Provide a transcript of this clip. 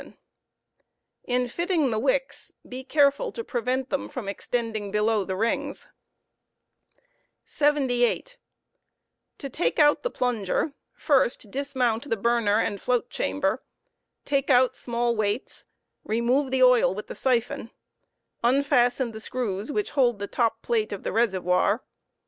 77^ i n fitting the wicks, be careful to prevent them from extendihg below the rin^s. plunger. 9 m0T0 78 * To take out the plunger, first dismount the burner and. floatchamberj take out small weights; remove the oil with the siphon; unfasten the screws which hold * the top plate of the reservoir.